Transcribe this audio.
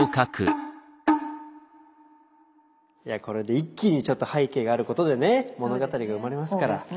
これで一気にちょっと背景があることでね物語が生まれますから。